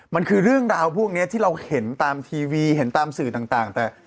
มันคือเรื่องราวพวกนี้ที่เราเห็นตามทีวีเห็นตามสื่อต่างแต่